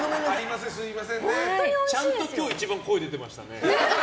ちゃんと今日一番、声出てましたね。